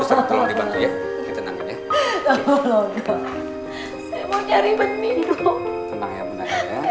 suster tolong dibantu ya